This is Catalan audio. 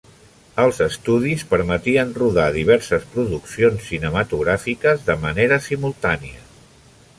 Els estudis permetien rodar diverses produccions cinematogràfiques de manera simultània.